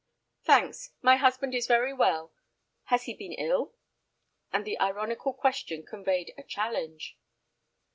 "Thanks. My husband is very well. Has he been ill?" and the ironical question conveyed a challenge.